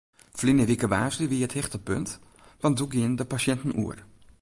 Ferline wike woansdei wie it hichtepunt want doe gienen de pasjinten oer.